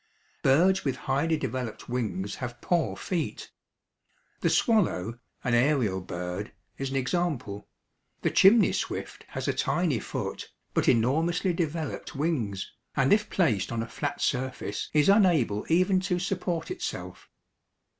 Birds with highly developed wings have poor feet. The swallow, an aerial bird, is an example. The chimney swift has a tiny foot, but enormously developed wings, and if placed on a flat surface is unable even to support itself.